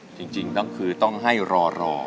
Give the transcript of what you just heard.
จริงต้องคือต้องให้รอ